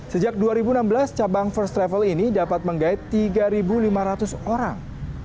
sejak dua ribu enam belas cabang first travel ini dapat menggait tiga lima ratus orang